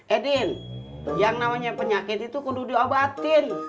eh din yang namanya penyakit itu konduk diobatin